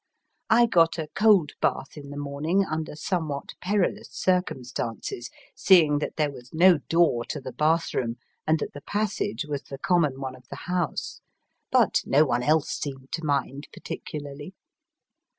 I got a cold bath in the morning under somewhat perilous circumstances, seeing that there was no door to the bath room and that the passage was the common one of the house. But no one else seemed to mind particularly.